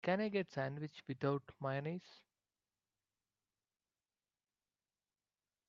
Can I get the sandwich without mayonnaise?